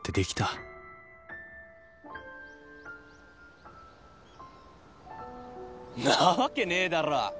んなわけねえだろ！